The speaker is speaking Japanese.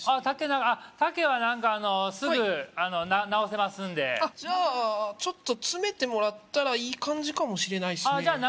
丈丈はなんかすぐ直せますんでちょっと詰めてもらったらいい感じかもしれないっすね